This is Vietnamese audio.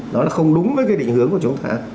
đó là không đúng với cái định hướng của chúng ta